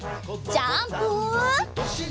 ジャンプ！